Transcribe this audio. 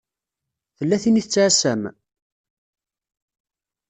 Tella tin i tettɛasam?